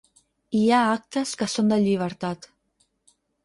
Hi ha actes que són de llibertat.